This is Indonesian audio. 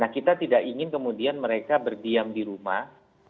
kita tidak ingin kemudian mereka berdiam di rumah